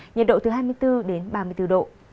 nhiệt độ từ hai mươi bốn ba mươi bốn độ